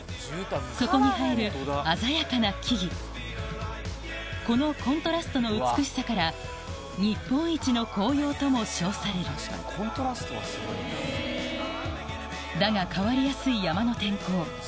そこに映える鮮やかな木々このコントラストの美しさから日本一の紅葉とも称されるだが変わりやすい山の天候